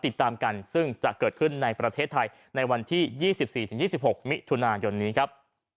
ติดตามกันซึ่งจะเกิดขึ้นในประเทศไทยในวันที่๒๔๒๖มิถุนายนนี้ครับ